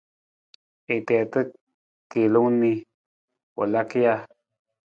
Na tiita kiilung ni, ng laka ja?